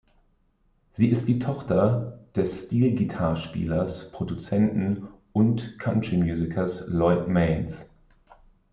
Sie ist die Tochter des Steel-Guitar-Spielers, Produzenten und Country-Musikers Lloyd Maines.